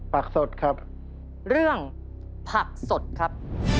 ผักสดครับเรื่องผักสดครับ